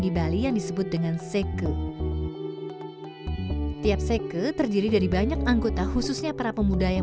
di bali yang disebut dengan seke tiap seke terdiri dari banyak anggota khususnya para pemuda yang